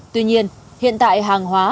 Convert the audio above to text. tuy nhiên hiện tại hàng hóa